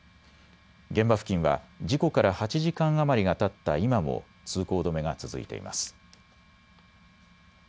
現場付近は事故から８時間余りがたった今も通行止めが続いています。